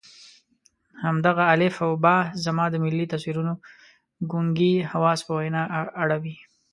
همدغه الف او ب زما د ملي تصویرونو ګونګي حواس په وینا اړوي.